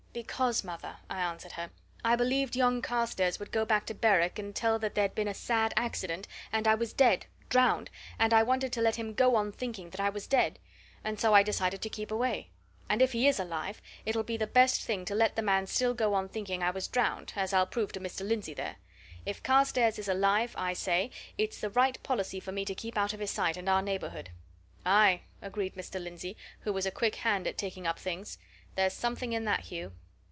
"Because, mother," I answered her, "I believed yon Carstairs would go back to Berwick and tell that there'd been a sad accident, and I was dead drowned and I wanted to let him go on thinking that I was dead and so I decided to keep away. And if he is alive, it'll be the best thing to let the man still go on thinking I was drowned as I'll prove to Mr. Lindsey there. If Carstairs is alive, I say, it's the right policy for me to keep out of his sight and our neighbourhood." "Aye!" agreed Mr. Lindsey, who was a quick hand at taking up things. "There's something in that, Hugh."